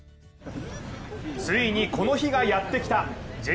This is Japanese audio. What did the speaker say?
ついにこの日がやってきた。